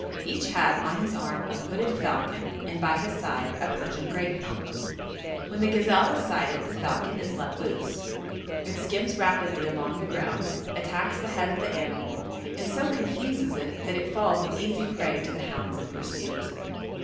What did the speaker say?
Each had on his arm a hooded falcon and by his side a Persian greyhound. When the gazelle is sighted the falcon is let loose; it skims rapidly along the ground, attacks the head of the animal, and so confuses it that it falls an easy prey to the hounds in pursuit.